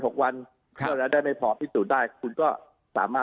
ก็จะได้ไม่พอพิสูจน์ได้คุณก็สามารถ